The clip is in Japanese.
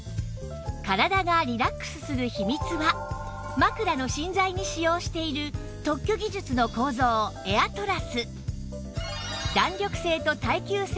体がリラックスする秘密は枕の芯材に使用している特許技術の構造エアトラス